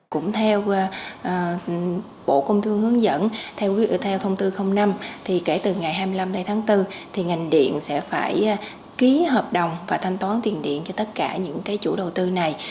cũng theo bộ công thương hướng dẫn theo thông tư năm thì kể từ ngày hai mươi năm tháng bốn thì ngành điện sẽ phải ký hợp đồng và thanh toán tiền điện cho tất cả những chủ đầu tư này